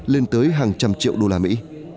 lên tới hàng trăm triệu đô la mỹ